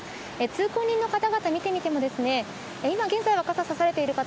通行人の方々を見てみても今現在は傘差されている方